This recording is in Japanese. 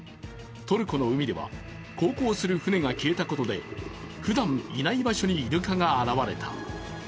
トルコの海では航行する船が消えたことでふだんいない場所にイルカが現れた。